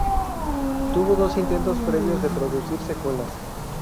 Tuvo dos intentos previos de producir secuelas.